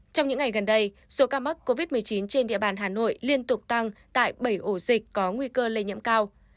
trong những ngày gần đây số ca mắc covid một mươi chín trên địa bàn hà nội liên tục tăng tại bảy ổ dịch có nguy cơ lây nhiễm cao